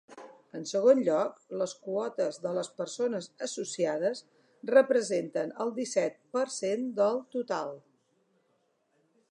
En segon lloc, les quotes de les persones associades representen el disset per cent del total.